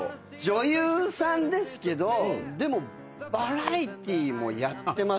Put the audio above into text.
女優さんですけどでもバラエティーもやってます。